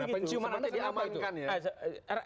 penciuman ada di amankan ya